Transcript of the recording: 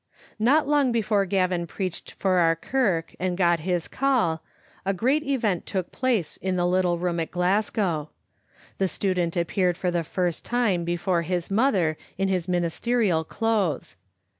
Not long before Gavin preached for our kirk and got his call, a great event took place in the little room at Glasgow. The student appeared for the first time be fore his mother in his ministerial clothes.